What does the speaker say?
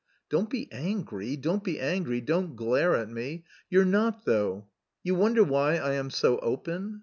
"Don't be angry, don't be angry, don't glare at me.... You're not, though. You wonder why I am so open?